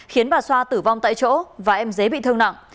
khiến bà xoa tử vong tại chỗ và em dế bị thương nặng